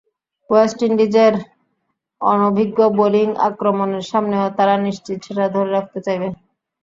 West ইন্ডিজের অনভিজ্ঞ bowling আক্রমণের সামনেও তারা নিশ্চিত সেটা ধরে রাখতে চাইবে।